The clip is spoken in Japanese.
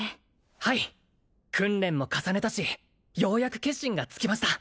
はい訓練も重ねたしようやく決心がつきました